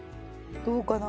どうかな？